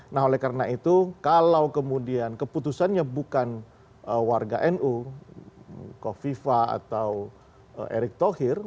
nah oleh karena itu kalau kemudian keputusannya bukan warga nu kofifa atau erick thohir